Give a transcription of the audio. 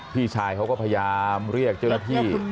พี่ชายเขาก็พยายามเรียกเจ้าหน้าที่